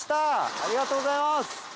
ありがとうございます！